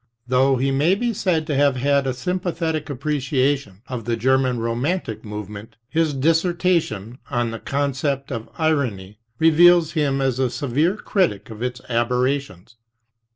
Though he may be said to have had a sympathetic appreciation of the German romantic move ment, his dissertation, On the Concept Irony, reveals him as a severe critic of its aberrations.